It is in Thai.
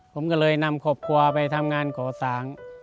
ผมก็เลยนำครอบครัวไปทำงานก่อสร้าง